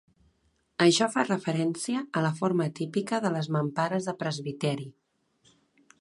Això fa referència a la forma típica de les mampares de presbiteri.